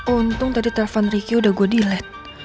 untung tadi telfon ricky udah gue delete